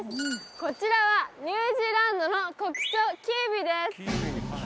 こちらはニュージーランドの国鳥キーウィです